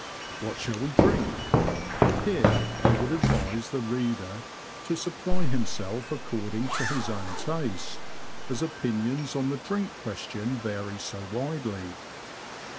What shall we drink ? Here I would advise the reader to supply himself according to his own taste, as opinions on the drink question vary so widely.